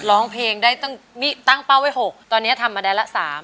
ร้องเพลงได้ตั้งนี่ตั้งเป้าไว้หกตอนเนี้ยทำมาได้ละสาม